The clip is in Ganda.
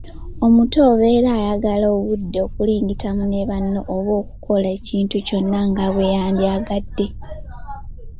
Omuto obeera oyagala obudde okuligitamu ne banno oba okukola ekintu kyonna nga bwe wandyagadde.